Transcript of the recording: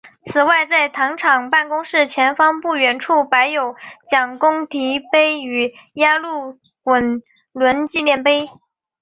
此外在糖厂办公室前方不远处摆有蒋公堤碑与压路滚轮纪念碑。